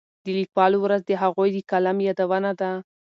د لیکوالو ورځ د هغوی د قلم یادونه ده.